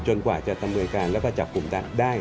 กว่าจะดำเนินการแล้วก็จับกลุ่มได้